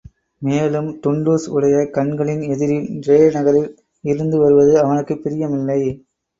மேலும், டுன்டுஷ் உடைய கண்களின் எதிரில் ரே நகரில் இருந்து வருவது அவனுக்குப் பிரியமில்லை.